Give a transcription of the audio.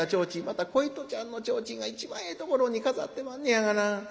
また小糸ちゃんの提灯が一番ええところに飾ってまんねやがな。